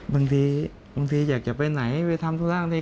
บางทีอยากจะไปไหนไปทำตัวร่างนี้